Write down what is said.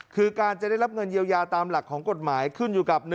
คือการจะได้รับเงินเยียวยาตามหลักของกฎหมายขึ้นอยู่กับ